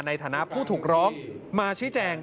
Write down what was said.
ในฐานะผู้ถูกร้องมาชี้แจง